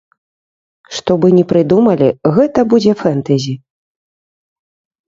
Што бы ні прыдумалі, гэта будзе фэнтэзі!